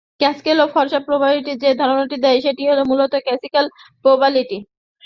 Pascal এবং Fermat প্রবাবিলিটির যে ধারনাটি দেয় সেটি মূলত ক্লাসিক্যাল প্রবাবিলিটি।